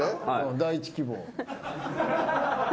第一希望。